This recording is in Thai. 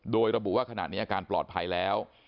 โดยระบุว่าขณะนี้อาการปลอดภัยแล้ว